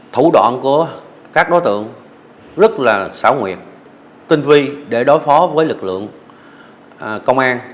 thủ đoạn của các đối tượng rất là xảo nguyệt tinh vi để đối phó với lực lượng công an